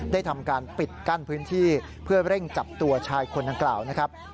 ได้ทำการปิดกั้นพื้นที่เพื่อเร่งจับตัวชายคนดังกล่าวนะครับ